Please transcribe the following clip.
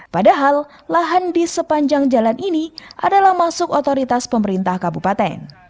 padahal lahan di sepanjang jalan ini adalah masuk otoritas pemerintah kabupaten